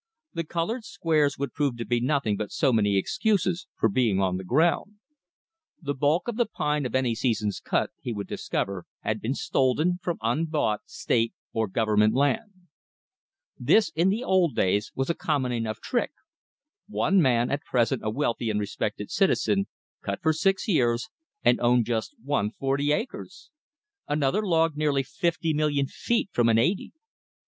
The colored squares would prove to be nothing but so many excuses for being on the ground. The bulk of the pine of any season's cut he would discover had been stolen from unbought State or Government land. This in the old days was a common enough trick. One man, at present a wealthy and respected citizen, cut for six years, and owned just one forty acres! Another logged nearly fifty million feet from an eighty!